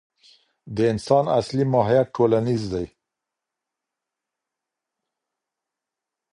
د انسان اصلي ماهیت ټولنیز دی.